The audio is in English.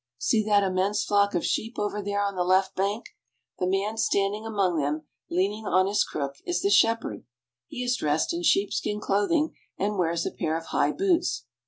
See that immense flock of sheep over there on the left bank. The man standing among them, lean ing on his crook, is the shepherd. He is dressed in sheep skin clothing, and wears a pair of high boots.